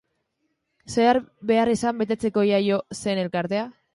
Zer beharrizan betetzeko jaio zen elkartea?